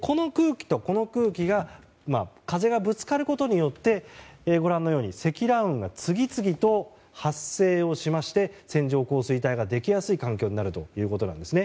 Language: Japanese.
この空気、風がぶつかることによって積乱雲が次々と発生をしまして線状降水帯ができやすい環境になるということです。